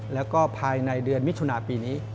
แล้วก็ภายในเดือนมิถุนาปีนี้